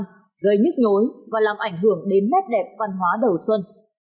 gây nhức nhối và làm ảnh hưởng đến nét đẹp văn hóa đầu xuân